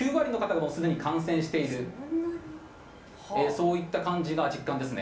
そういった感じが実感ですね。